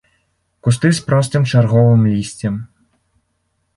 Кусты з простым чарговым лісцем.